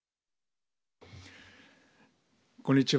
こんにちは。